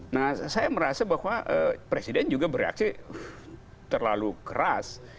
nah saya merasa bahwa presiden juga bereaksi terlalu keras